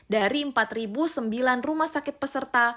dari empat sembilan rumah sakit peserta